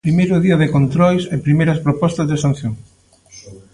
Primeiro día de controis, e primeiras propostas de sanción.